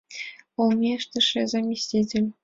Олмештыше — заместитель.